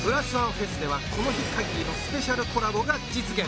ＦＥＳではこの日限りのスペシャルコラボが実現